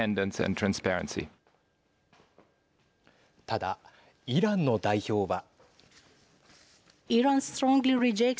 ただ、イランの代表は。